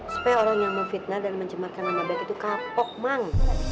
supaya orang yang memfitnah dan mencemarkan nama baik itu kapok mang